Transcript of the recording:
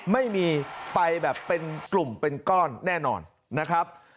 ไม่มีไปแบบเป็นกลุ่มเป็นก้อนแน่นอนนะครับ